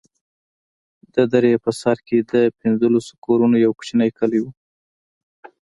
د درې په سر کښې د پنځلسو كورونو يو كوچنى كلى و.